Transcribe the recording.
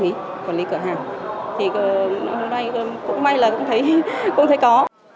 thì hôm nay cũng may là cũng thấy có